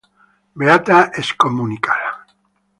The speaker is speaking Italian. Beata scomunica!